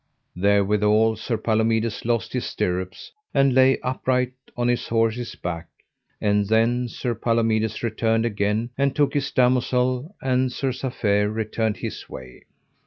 Therewithal Sir Palomides lost his stirrups and lay upright on his horse's back. And then Sir Palomides returned again and took his damosel, and Sir Safere returned his way.